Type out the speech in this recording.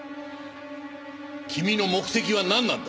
君の目的はなんなんだ？